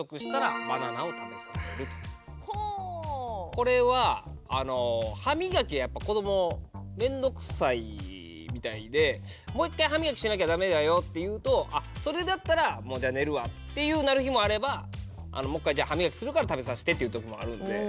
これは歯みがきはやっぱ子ども面倒くさいみたいで「もう一回歯みきしなきゃダメだよ」って言うとそれだったらもうじゃ寝るわってなる日もあればもう一回歯みがきするから食べさしてっていう時もあるんで。